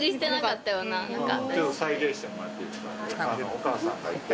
お母さんがいて。